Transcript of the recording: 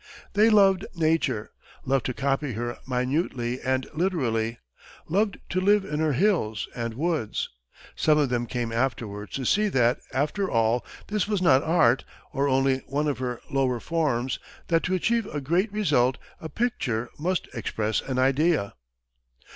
They loved nature loved to copy her minutely and literally, loved to live in her hills and woods. Some of them came afterwards to see that, after all, this was not art, or only one of her lower forms that to achieve a great result, a picture must express an idea.